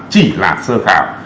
chỉ là sơ khảo